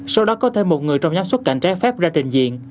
sau đó có thêm một người trong nhóm xuất cảnh trái phép ra trình diện